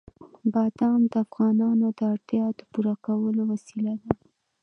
بادام د افغانانو د اړتیاوو د پوره کولو وسیله ده.